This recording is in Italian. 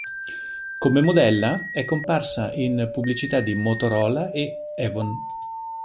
Come modella è comparsa in pubblicità di Motorola e Avon.